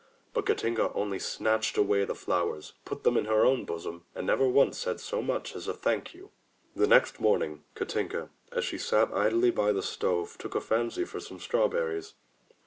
But Katinka only snatched away the flowers, put them in her own bosom, and never once said so much as a "Thank you!" The next morning Katinka, as she sat idling by the stove, took a fancy for some strawberries.